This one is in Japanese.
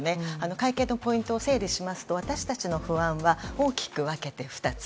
会見のポイントを整理しますと私たちの不安は大きく分けて２つ。